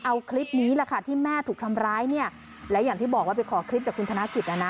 เอาคลิปนี้แหละค่ะที่แม่ถูกทำร้ายเนี่ยและอย่างที่บอกว่าไปขอคลิปจากคุณธนกิจนะนะ